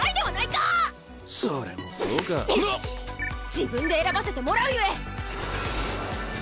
自分で選ばせてもらうゆえ！